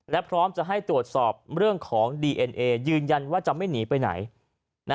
และพร้อมจะให้ตรวจสอบเรื่องของดีเอ็นเอยืนยันว่าจะไม่หนีไปไหน